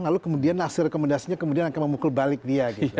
lalu kemudian hasil rekomendasinya kemudian akan memukul balik dia